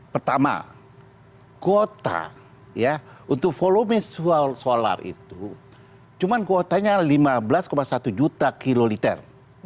pertama kuota untuk volume solar itu cuma kuotanya lima belas satu juta kiloliter